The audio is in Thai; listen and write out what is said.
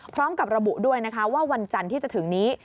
พร้อมกับระบุด้วยนะคะว่าวันจันทร์ที่จะถึงนี้